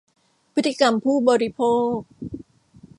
พฤติกรรมผู้บริโภค